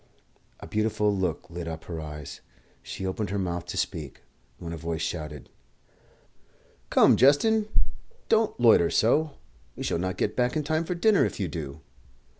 A beautiful look lit up her eyes; she opened her mouth to speak, when a voice shouted "Come, Justin; don't loiter so. We shall not get back in time for dinner, if you do."